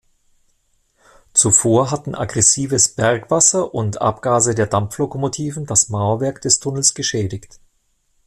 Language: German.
Zuvor hatten aggressives Bergwasser und Abgase der Dampflokomotiven das Mauerwerk des Tunnels geschädigt.